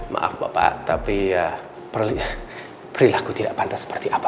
maaf bapak tapi ya perilaku tidak pantas seperti apa